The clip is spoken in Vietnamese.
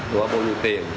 nó có bao nhiêu tiền